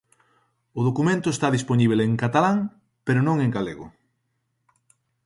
O documento está dispoñíbel en catalán pero non en galego.